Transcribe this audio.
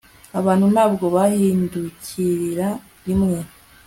abantu ntabwo bahindukiria rimwe